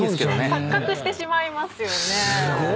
錯覚してしまいますよね。